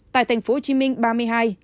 tại thành phố hồ chí minh ba mươi hai